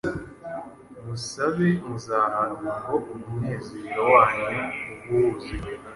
musabe muzahabwa, ngo umunezero wanyu ube wuzuye.”